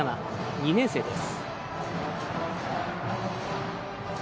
２年生です。